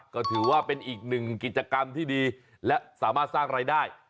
ก็ถือว่าเป็นอีกหนึ่งกิจกรรมที่ดีและสามารถสร้างรายได้